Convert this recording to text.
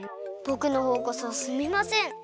ぼくのほうこそすみません！